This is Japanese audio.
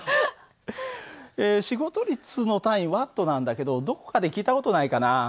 仕事率の単位Ｗなんだけどどこかで聞いた事ないかな？